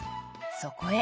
そこへ。